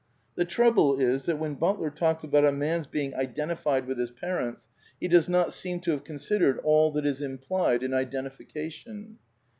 The trouble is that when Butler talks about a man's being identified with . his parents he does not seem to have considered all that is implied in identification.